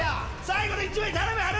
最後の１枚頼む！